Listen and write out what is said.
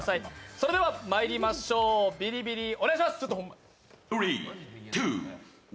それではまいりましょう、ビリビリお願いします。